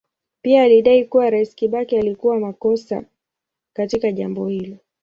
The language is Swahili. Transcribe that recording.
Pia alidai kuwa Rais Kibaki alikuwa makosa katika jambo hilo.